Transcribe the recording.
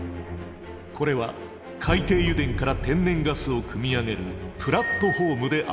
これは海底油田から天然ガスをくみ上げるプラットホームである。